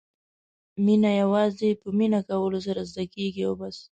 مینه یوازې په مینه کولو سره زده کېږي او بس.